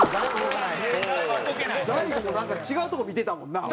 大悟もなんか違うとこ見てたもんな。